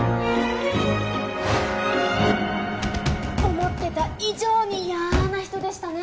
思ってた以上に嫌な人でしたね